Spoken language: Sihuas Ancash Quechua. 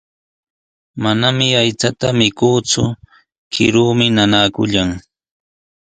Manami aychata mikuuku, kiruumi nanaakullan.